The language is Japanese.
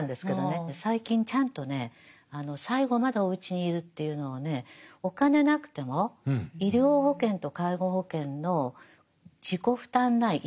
最近ちゃんとね最後までおうちに居るというのをねお金なくても医療保険と介護保険の自己負担内１割ですよ